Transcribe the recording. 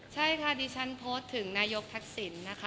ใช่ค่ะดิฉันโพสต์ถึงนายกทักษิณนะคะ